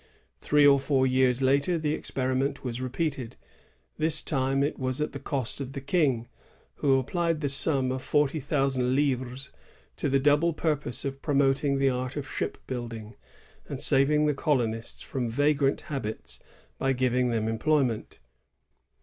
2 Three or four years later, the experi ment was repeated. This time it was at the cost of the King, who applied the sum of forty thousand livres ^ to the double purpose of promoting the art of ship building, and saving the colonists from vagrant habits by giving them employment.